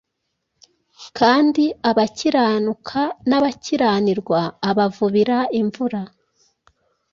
kandi abakiranuka n’abakiranirwa abavubira imvura.”